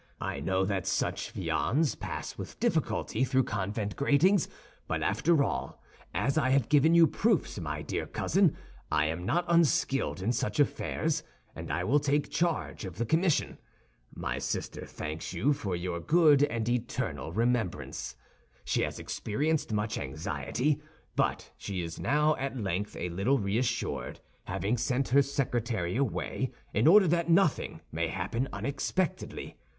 I know that such viands pass with difficulty through convent gratings; but after all, as I have given you proofs, my dear cousin, I am not unskilled in such affairs, and I will take charge of the commission. My sister thanks you for your good and eternal remembrance. She has experienced much anxiety; but she is now at length a little reassured, having sent her secretary away in order that nothing may happen unexpectedly.